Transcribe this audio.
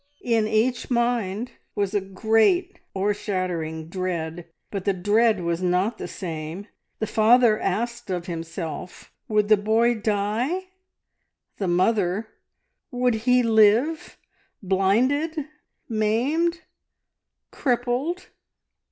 In each mind was a great o'ershadowing dread, but the dread was not the same. The father asked of himself Would the boy die? The mother Would he live, blinded, maimed, crippled?